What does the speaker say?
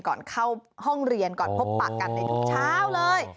ก่อนเข้าห้องเรียนก่อนพบปะกันในทุกเช้าเลย